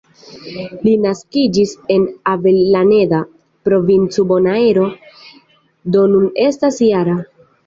Li naskiĝis en Avellaneda, provinco Bonaero, do nun estas -jara.